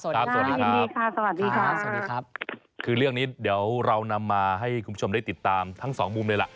สวัสดีครับสวัสดีค่ะสวัสดีค่ะสวัสดีครับคือเรื่องนี้เดี๋ยวเรานำมาให้คุณผู้ชมได้ติดตามทั้งสองมุมเลยล่ะ